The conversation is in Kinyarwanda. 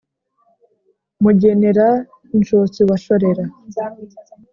mugenera nshotsi wa shorera